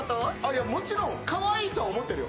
いやもちろんカワイイとは思ってるよ。